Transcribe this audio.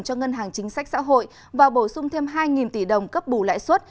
cho ngân hàng chính sách xã hội và bổ sung thêm hai tỷ đồng cấp bù lãi suất